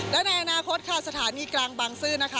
และในอนาคตสถานีกลางบังซื่อ